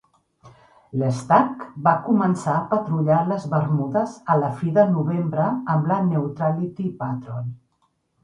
L'"Stack" va començar a patrullar les Bermudes a la fi de novembre amb la Neutrality Patrol.